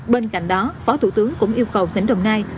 bên cạnh đó phó thủ tướng cũng yêu cầu tỉnh đồng nai